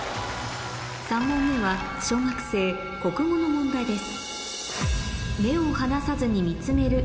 ３問目は小学生国語の問題です